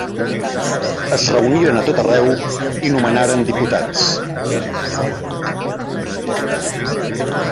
Es reuniren a tot arreu i nomenaren diputats.